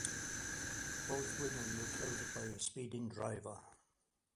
Both women were killed by a speeding driver.